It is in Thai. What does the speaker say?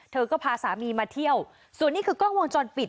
เธอก็พาสามีมาเที่ยวส่วนนี้คือกล้องวงจรปิด